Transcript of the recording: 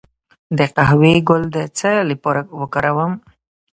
د قهوې ګل د څه لپاره وکاروم؟